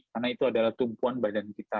karena itu adalah tumpuan badan kita